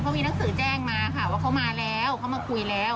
มีหนังสือแจ้งมาค่ะว่าเขามาแล้วเขามาคุยแล้ว